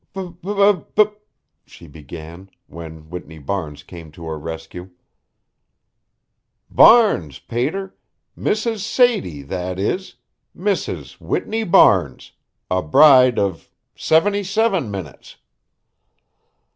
"B b b," she began, when Whitney Barnes came to her rescue. "Barnes, pater Mrs. Sadie; that is, Mrs. Whitney Barnes a bride of seventy seven minutes."